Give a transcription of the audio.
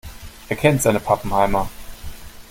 Er kennt seine Pappenheimer.